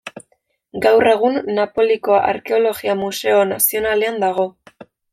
Gaur egun, Napoliko Arkeologia Museo Nazionalean dago.